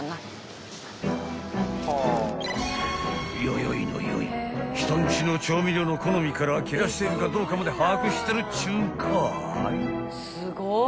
［よよいのよい人んちの調味料の好みから切らしているかどうかまで把握してるっちゅうんかい！］